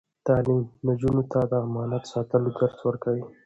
تعلیم نجونو ته د امانت ساتلو درس ورکوي.